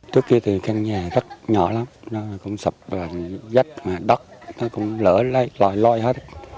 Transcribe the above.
trước kia thì căn nhà rất nhỏ lắm nó cũng sập và dách đất nó cũng lỡ lây loài loài hết